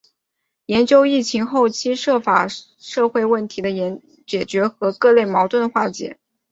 研究疫情后期涉法社会问题的解决和各类矛盾的化解